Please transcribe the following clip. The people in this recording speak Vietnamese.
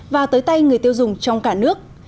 và tới tay người tiêu dùng trong cả nước